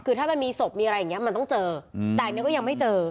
คือถ้ามันมีศพมีอะไรอย่างนี้มันต้องเจอแต่อันนี้ก็ยังไม่เจอ